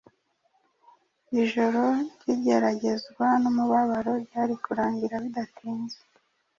Ijoro ry’igeragezwa n’umubabaro ryari kurangira bidatinze